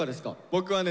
僕はね